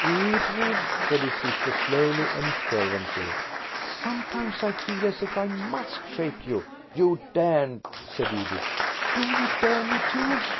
"Edred," said his sister slowly and fervently, "sometimes I feel as if I must shake you." "You daren't!" said Edred. "Do you dare me to?"